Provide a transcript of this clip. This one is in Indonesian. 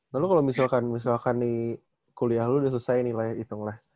lalu kalau misalkan di kuliah lo udah selesai nilai hitung lah